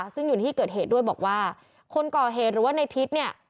ซึ่งอยู่ในที่เกิดเหตุด้วยบอกว่าคนก่อเหตุหรือว่าในพิษเนี่ย